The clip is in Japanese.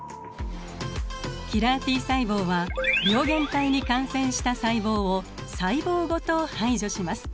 キラーＴ細胞は病原体に感染した細胞を細胞ごと排除します。